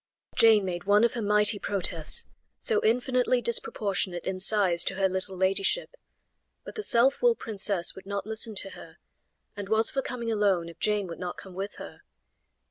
Jane made one of her mighty protests, so infinitely disproportionate in size to her little ladyship, but the self willed princess would not listen to her, and was for coming alone if Jane would not come with her.